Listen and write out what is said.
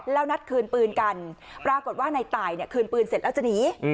แล้วนัดคืนปืนกันปรากฏว่าในตายเนี่ยคืนปืนเสร็จแล้วจะหนี